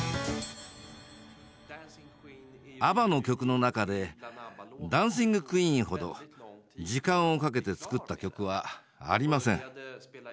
ＡＢＢＡの曲の中で「ダンシング・クイーン」ほど時間をかけて作った曲はありません。